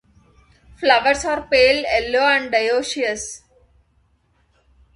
Flowers are pale yellow and dioecious.